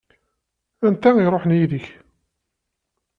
Anta i iṛuḥen yid-k?